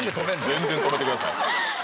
全然止めてください